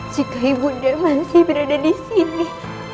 jika ibu nda masih berada di sini